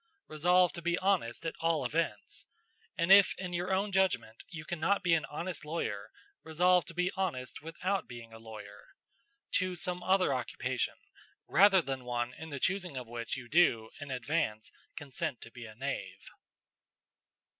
Resolve to be honest at all events; and if, in your own judgment, you cannot be an honest lawyer, resolve to be honest without being a lawyer. Choose some other occupation, rather than one in the choosing of which you do, in advance, consent to be a knave."